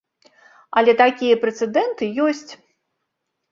Але такія прэцэдэнты ёсць.